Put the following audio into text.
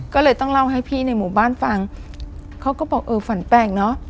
ก็เลยต้องเล่าให้พี่ในหมู่บ้านฟังเขาก็บอกเออฝันแปลกเนอะ